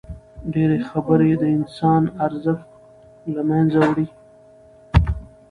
ډېري خبري د انسان ارزښت له منځه وړي.